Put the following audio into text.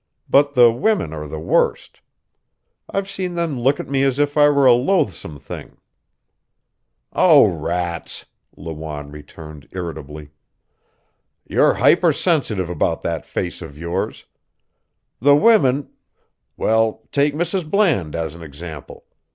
But the women are the worst. I've seen them look at me as if I were a loathsome thing." "Oh, rats," Lawanne returned irritably. "You're hyper sensitive about that face of yours. The women well, take Mrs. Bland as an example.